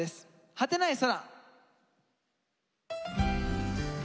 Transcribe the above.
「果てない空」。